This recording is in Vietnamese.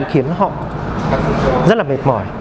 khiến họ rất là mệt mỏi